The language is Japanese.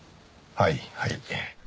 はいはい。